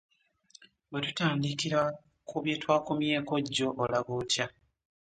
Bwe tutandikira ku bye twakomyeko jjo olaba otya?